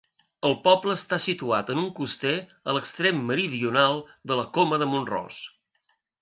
El poble està situat en un coster a l'extrem meridional de la Coma de Mont-ros.